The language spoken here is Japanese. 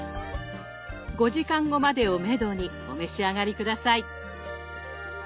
５時間後までをめどにお召し上がり下さい。